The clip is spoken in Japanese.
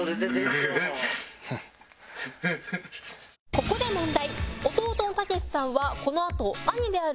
「ここで問題」